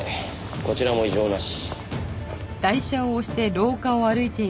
こちらも異常なし。